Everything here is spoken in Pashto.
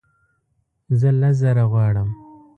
زه لس زره غواړم